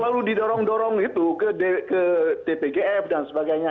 kalau nanti selalu didorong dorong itu ke dpgf dan sebagainya